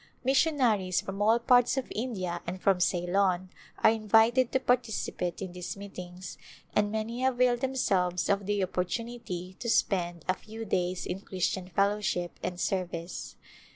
Missionaries from all parts of India and from Cey lon are invited to participate in these meetings and many avail themselves of the opportunity to spend a few days in Christian fellowship and service.